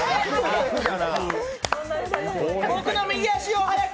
僕の右足を早く！